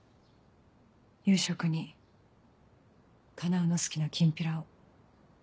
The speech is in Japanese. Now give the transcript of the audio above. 夕食に叶の好きなきんぴらを。